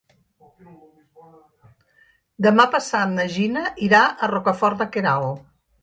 Demà passat na Gina irà a Rocafort de Queralt.